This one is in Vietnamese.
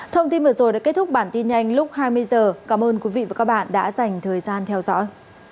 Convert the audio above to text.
thông tin vừa rồi đã kết thúc bản tin nhanh lúc hai mươi h cảm ơn quý vị và các bạn đã dành thời gian theo dõi